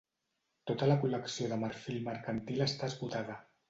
Tota la col·lecció de marfil mercantil està esgotada.